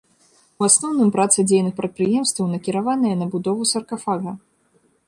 У асноўным праца дзейных прадпрыемстваў накіраваная на будову саркафага.